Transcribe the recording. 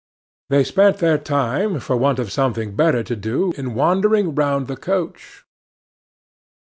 They spent their time, for want of something better to do, in wandering round the coach.